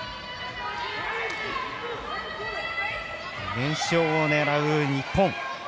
連勝を狙う日本。